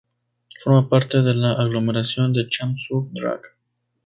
Forma parte de la aglomeración de Champ-sur-Drac.